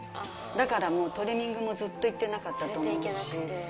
だからもう、トリミングもずっと行ってなかったと思うし。